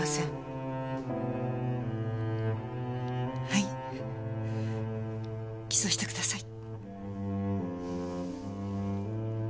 はい起訴してください。